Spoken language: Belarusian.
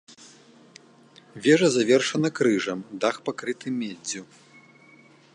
Вежа завершана крыжам, дах пакрыты меддзю.